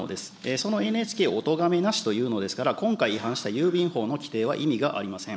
そのＮＨＫおとがめなしというのですから、今回違反した郵便法の規定は意味がありません。